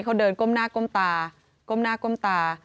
เขาเดินก้มหน้าก้มตาก้มหน้าก้มตา